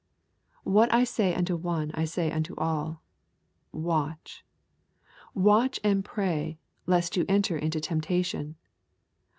What I say unto one I say unto all, Watch. Watch and pray, lest you enter into temptation.